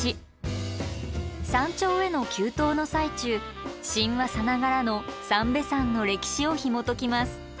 山頂への急登の最中神話さながらの三瓶山の歴史をひもときます。